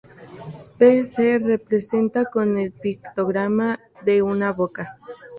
Pe se representa con el pictograma de una boca.